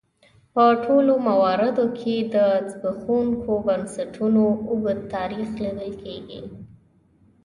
په ټولو مواردو کې د زبېښونکو بنسټونو اوږد تاریخ لیدل کېږي.